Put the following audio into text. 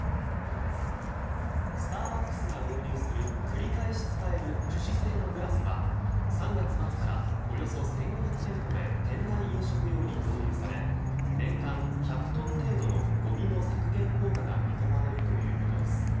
スターバックスが導入する繰り返し使える樹脂製のグラスは３月末からおよそ１５００店舗で店内飲食用に導入され年間１００トン程度のごみの削減効果が見込まれるということです。